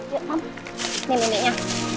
yuk mam nih miniknya